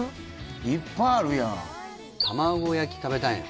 いっぱいあるやん卵焼き食べたいの？